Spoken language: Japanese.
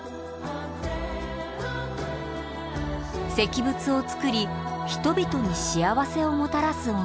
石仏を作り人々に幸せをもたらす鬼。